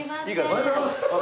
おはようございます。